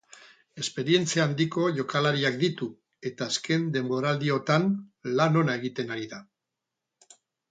Esperientzia handiko jokalariak ditu eta azken denboraldiotan lan ona egiten ari da.